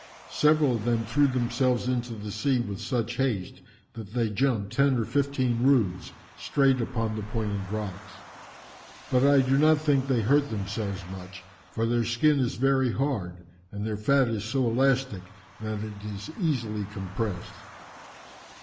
Several of them threw themselves into the sea with such haste, that they jumped ten or fifteen roods, straight upon the pointed rocks. But I do not think they hurt themselves much, for their skin is very hard and their fat is so elastic that it is easily compressed."